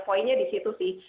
poinnya di situ sih